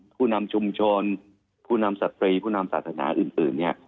ผู้นำชุมชนผู้นำสตรีผู้นำสาธารณาอื่น